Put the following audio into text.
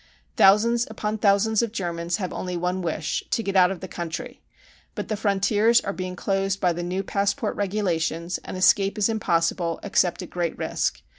" Thousands upon thousands of Germans have only one wish — to get out of the country. But the frontiers are being closed by the new passport regulations and escape is impossible except at great risk.